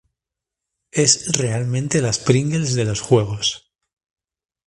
Es realmente las Pringles de los juegos.